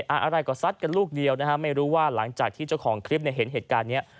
อะไรก็ซัดกันลูกเดียวนะฮะไม่รู้ว่าหลังจากที่เจ้าของคลิปเห็นเหตุการณ์นี้